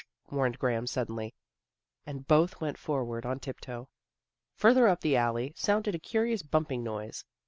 warned Graham suddenly, and both went forward on tiptoe. Further up the alley sounded a curious bumping noise.